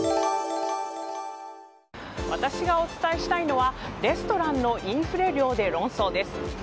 私がお伝えしたいのはレストランのインフレ料で論争です。